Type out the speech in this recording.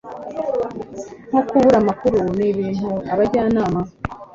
nko kubura amakuru, ni ibintu abajyanama